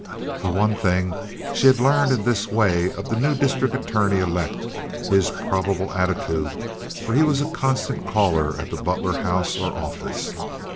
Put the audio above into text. For one thing, she had learned in this way of the new district attorney elect—his probable attitude—for he was a constant caller at the Butler house or office.